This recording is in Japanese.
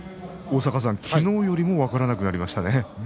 昨日よりも分からなくなりましたね。